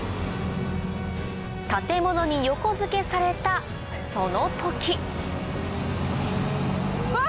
建物に横付けされたその時うわ！